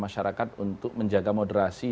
masyarakat untuk menjaga moderasi